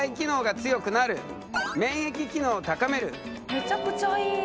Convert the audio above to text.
めちゃくちゃいい。